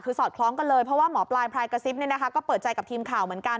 คือสอดคล้องกันเลยเพราะว่าหมอปลายพลายกระซิบก็เปิดใจกับทีมข่าวเหมือนกัน